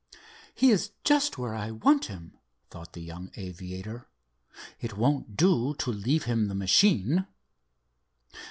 "He is just where I want him," thought the young aviator. "It won't do to leave him the machine."